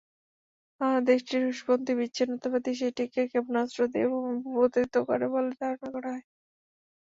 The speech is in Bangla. দেশটির রুশপন্থী বিচ্ছিন্নতাবাদীরা সেটিকে ক্ষেপণাস্ত্র দিয়ে ভূপাতিত করে বলে ধারণা করা হয়।